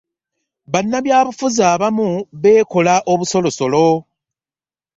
Bannabyabufuzi abamu beekola obusolosolo.